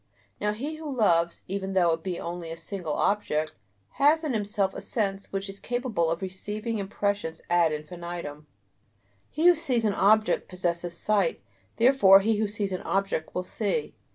Now he who loves, even though it be only a single object, has in himself a sense which is capable of receiving impressions ad infinitum; he who sees an object possesses sight, therefore he who sees an object will see.